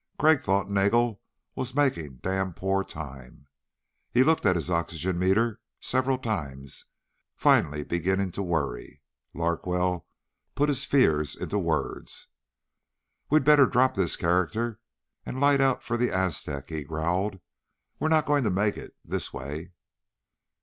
Crag thought Nagel was making damned poor time. He looked at his oxygen meter several times, finally beginning to worry. Larkwell put his fears into words. "We'd better drop this character and light out for the Aztec," he growled. "We're not going to make it this way."